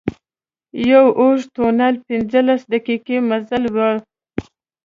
یو اوږد تونل پنځلس دقيقې مزل و.